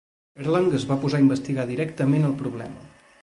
Erlang es va posar a investigar directament el problema.